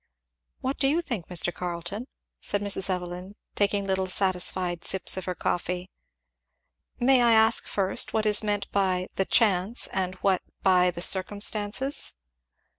"What do you think, Mr. Carleton?" said Mrs. Evelyn, taking little satisfied sips of her coffee. "May I ask, first, what is meant by the 'chance' and what by the 'circumstances.'"